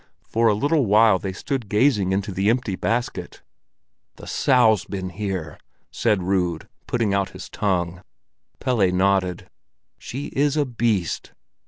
For a little while they stood gazing into the empty basket. "The Sow's been here," said Rud, putting out his tongue. Pelle nodded. "She is a beast!"